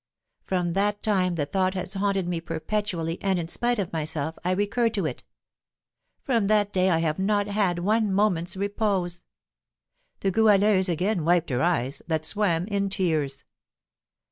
From that time the thought has haunted me perpetually, and, in spite of myself, I recur to it. From that day I have not had one moment's repose." The Goualeuse again wiped her eyes, that swam in tears.